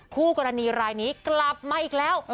คู่กรณีรายนี้กลับมาอีกแล้ว